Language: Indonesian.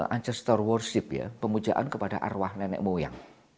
ancestor worship pemujaan kepada arwah nenek moyang